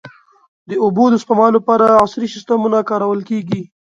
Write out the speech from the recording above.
د اوبو د سپما لپاره عصري سیستمونه کارول کېږي.